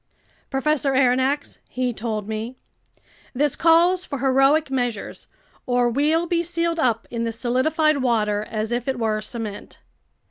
"Professor Aronnax," he told me, "this calls for heroic measures, or we'll be sealed up in this solidified water as if it were cement."